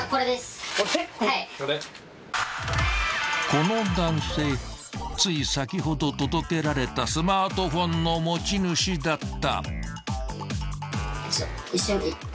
［この男性つい先ほど届けられたスマートフォンの持ち主だった］